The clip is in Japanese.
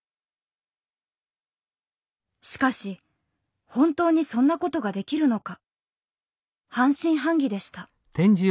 しかし本当にそんなことができるのか半信半疑でした。